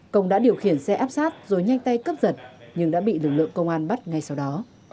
công đã điều khiển xe áp sát rồi nhanh tay cướp giật nhưng đã bị lực lượng công an bắt ngay sau đó